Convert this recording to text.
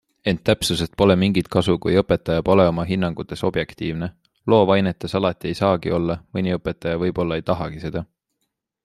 Ent täpsusest pole mingit kasu, kui õpetaja pole oma hinnangutes objektiivne - loovainetes alati ei saagi olla, mõni õpetaja võib-olla ei tahagi seda.